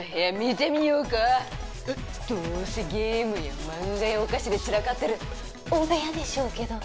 どうせゲームや漫画やお菓子で散らかってる汚部屋でしょうけど。